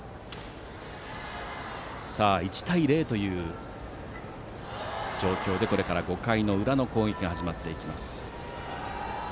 １対０という状況でこれから５回裏の攻撃が始まります。